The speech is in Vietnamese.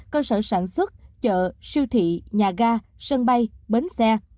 cơ sở sản xuất chợ siêu thị nhà ga sân bay bến xe